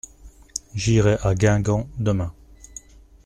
J’irai à Guingamp demain.